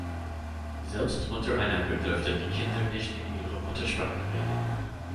Selbst untereinander durften die Kinder nicht in ihrer Muttersprache reden.